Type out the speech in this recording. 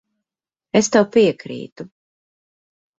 Es tev piekrītu.